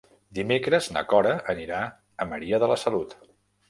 Dimecres na Cora anirà a Maria de la Salut.